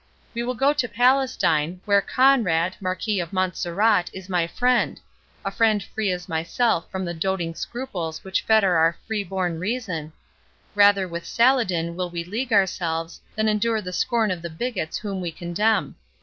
We will go to Palestine, where Conrade, Marquis of Montserrat, is my friend—a friend free as myself from the doting scruples which fetter our free born reason—rather with Saladin will we league ourselves, than endure the scorn of the bigots whom we contemn.